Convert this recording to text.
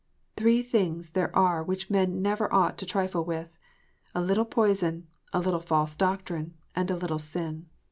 Three things there are which men never ought to trifle with, a little poison, a little false doctrine, and a little sin.